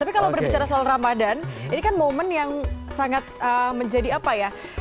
tapi kalau berbicara soal ramadan ini kan momen yang sangat menjadi apa ya